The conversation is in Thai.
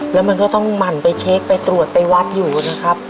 แล้วมันก็ต้องหมั่นไปเช็คไปตรวจไปวัดอยู่นะครับ